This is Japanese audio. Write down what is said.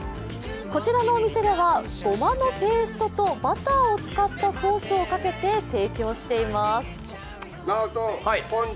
こちらのお店では、ごまのペーストとバターを使ったソースをかけて提供しています。